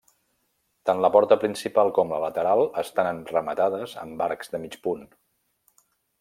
Tant la porta principal com la lateral estan rematades amb arcs de mig punt.